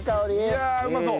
いやうまそう！